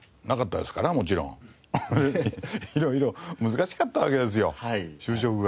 色々難しかったわけですよ就職が。